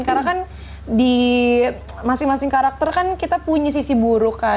karena kan di masing masing karakter kan kita punya sisi buruk kan